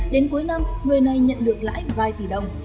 đến cuối năm người này nhận được lãi vài tỷ đồng